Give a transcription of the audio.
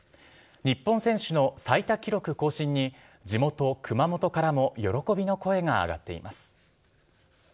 日本選手の最多記録更新に、地元、熊本からも喜びの声が上がっています。